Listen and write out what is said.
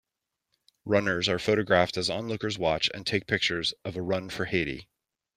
Runners are photographed as onlookers watch and take pictures of a Run for Haiti.